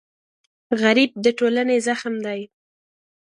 غریب د ټولنې زخم دی